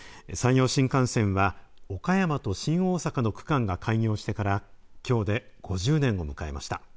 山陽新幹線は、岡山と新大阪の区間が開業してからきょうで５０年を迎えました。